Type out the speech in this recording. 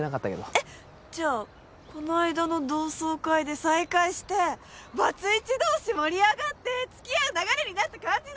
えっじゃあこの間の同窓会で再会してバツイチ同士盛り上がって付き合う流れになった感じだ？